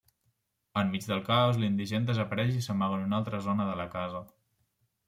Enmig del caos l'indigent desapareix i s'amaga en una altra zona de la casa.